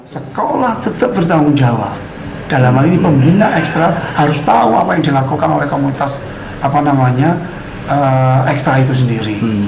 sekolah tetap bertanggung jawab dalam hal ini pemerintah ekstra harus tahu apa yang dilakukan oleh komunitas ekstra itu sendiri